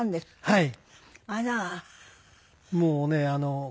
はい。